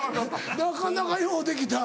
なかなかようできた。